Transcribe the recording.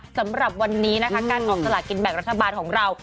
สำหรับวันนี้นะคะการออกสลากินแบ่งรัฐบาลของเรา